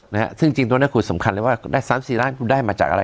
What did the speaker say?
นะครับซึ่งจริงตัวนี้คือสำคัญเลยว่า๓๔ล้านคุณได้มาจากอะไร